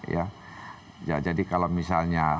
ya jadi kalau misalnya